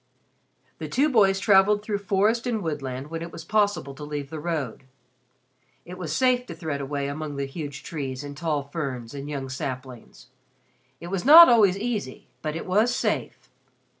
The two boys traveled through forest and woodland when it was possible to leave the road. It was safe to thread a way among huge trees and tall ferns and young saplings. It was not always easy but it was safe.